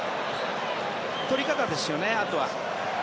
取り方ですよね、あとは。